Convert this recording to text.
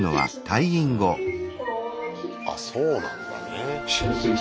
あそうなんだね。